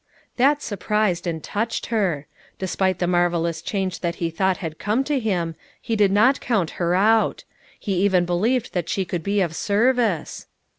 That surprised and touched her. Despite the marvelous change that he thought had come to him, he did not count her out; he even believed that she could be of serv ice.